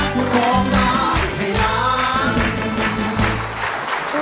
คุณนิดก็ขอบคุณครับ